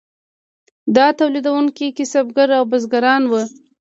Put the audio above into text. دا تولیدونکي کسبګر او بزګران وو.